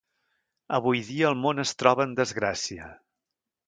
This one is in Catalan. Avui dia el món es troba en desgràcia.